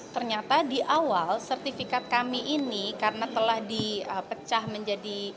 ternyata di awal sertifikat kami ini karena telah dipecah menjadi